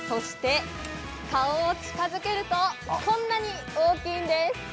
顔を近づけるとこんなに、大きいんです。